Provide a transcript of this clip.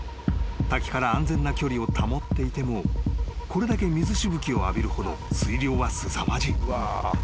［滝から安全な距離を保っていてもこれだけ水しぶきを浴びるほど水量はすさまじい］